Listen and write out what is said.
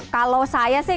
kalau saya sih